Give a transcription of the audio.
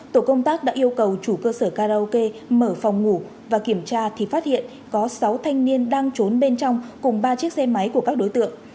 tổ công tác đã yêu cầu chủ cơ sở karaoke mở phòng ngủ và kiểm tra thì phát hiện có sáu thanh niên đang trốn bên trong cùng ba chiếc xe máy của các đối tượng